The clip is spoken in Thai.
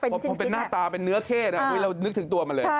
พอเป็นหน้าตาเป็นเนื้อเข้เรานึกถึงตัวมันเลย